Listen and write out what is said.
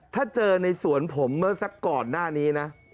ถ้าเจอในสวนผมเมื่อสักก่อนหน้านี้นะ